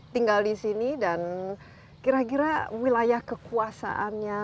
tinggal di sini dan kira kira wilayah kekuasaannya